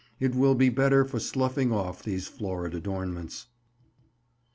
It will be better for sloughing off these florid adornments.